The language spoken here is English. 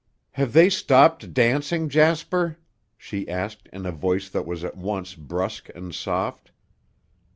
"Have they stopped dancing, Jasper?" she asked in a voice that was at once brusque and soft.